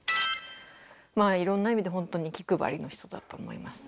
まぁいろんな意味でホントに気配りの人だと思います。